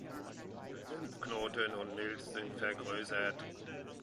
Lymphknoten und Milz sind vergrößert.